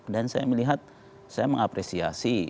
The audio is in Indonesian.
dan saya melihat saya mengapresiasi